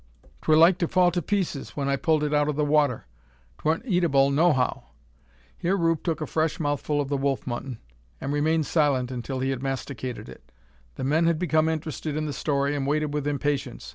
'Twur like to fall to pieces, when I pulled it out o' the water. 'Twa'n't eatable nohow!" Here Rube took a fresh mouthful of the wolf mutton, and remained silent until he had masticated it. The men had become interested in the story, and waited with impatience.